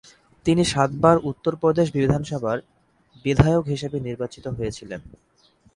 তিনি সাতবার উত্তর প্রদেশ বিধানসভার বিধায়ক হিসেবে নির্বাচিত হয়েছিলেন।